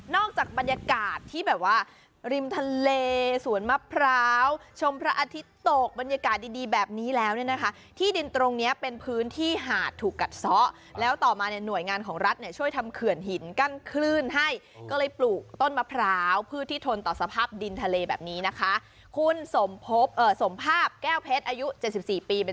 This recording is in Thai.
จากบรรยากาศที่แบบว่าริมทะเลสวนมะพร้าวชมพระอาทิตย์ตกบรรยากาศดีดีแบบนี้แล้วเนี่ยนะคะที่ดินตรงเนี้ยเป็นพื้นที่หาดถูกกัดซ้อแล้วต่อมาเนี่ยหน่วยงานของรัฐเนี่ยช่วยทำเขื่อนหินกั้นคลื่นให้ก็เลยปลูกต้นมะพร้าวเพื่อที่ทนต่อสภาพดินทะเลแบบนี้นะคะคุณสมพบเอ่อสมภาพแก้วเพชรอายุเจ็ดสิบสี่ปีเป็น